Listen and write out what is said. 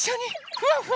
ふわふわ。